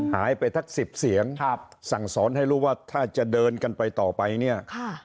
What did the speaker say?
หายไปทักสิบเสียงครับสั่งสอนให้รู้ว่าถ้าจะเดินกันไปต่อไปเนี่ย